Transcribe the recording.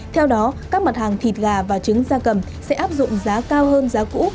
theo đó các mặt hàng thịt gà và trứng da cầm sẽ áp dụng giá cao hơn giá cũ